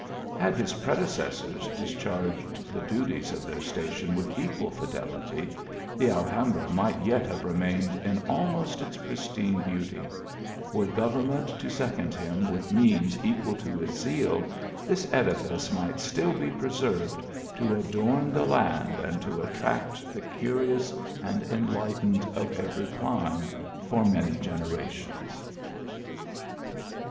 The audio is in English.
Had his predecessors discharged the duties of their station with equal fidelity, the Alhambra might yet have remained in almost its pristine beauty ; were government to second him with means equal to his zeal, this edifice might still be preserved to adorn the land, and to attract the curious and enlightened ot every clime, for many generations.